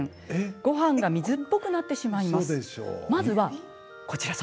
ごはんが水っぽくなってしまいます。